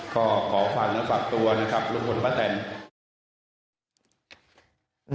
ก็ขอฝันและปรับตัวนะครับลุงพลพระเต็ม